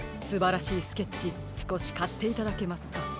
すばらしいスケッチすこしかしていただけますか？